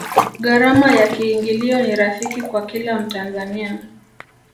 gharama ya kiingilio ni rafiki kwa kila mtanzania